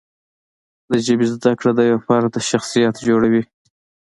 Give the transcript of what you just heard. د ژبې زده کړه د یوه فرد شخصیت جوړوي.